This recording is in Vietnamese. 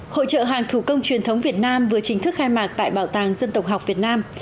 hội trợ hàng thủ công truyền thống việt nam vừa chính thức khai mạc tại bảo tàng dân tộc học việt nam